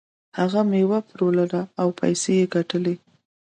هغه میوه پلورله او پیسې یې ګټلې.